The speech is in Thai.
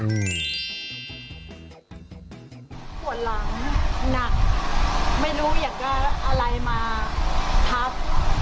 ปวดหลังหนักไม่รู้อยากจะอะไรมาทับ